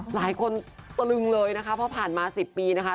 หลายคนตรึงเลยนะคะเพราะผ่านมา๑๐ปีนะคะ